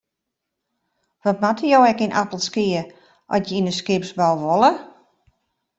Wat moatte je ek yn Appelskea at je yn de skipsbou wolle?